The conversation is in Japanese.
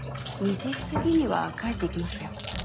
２時過ぎには帰っていきましたよ。